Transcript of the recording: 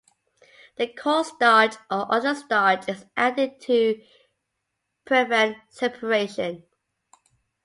The cornstarch or other starch is added to prevent separation.